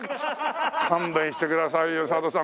勘弁してくださいよ佐渡さん。